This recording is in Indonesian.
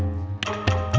saya masih kesel sama dia